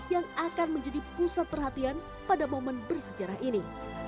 yang akan menjadi pusat perhatian pada momen bersejarah ini